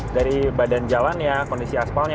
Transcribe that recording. dari badan jalan ya kondisi aspalnya